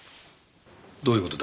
どういう事だ？